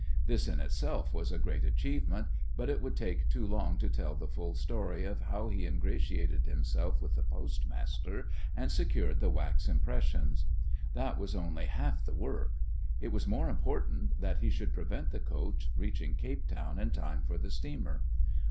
This in itself was a great achievement, but it would take too long to tell the full story of how he ingratiated himself with the postmaster and secured the wax impressions. That was only half the work. It was more important that he should prevent the coach reaching Cape Town in time for the steamer.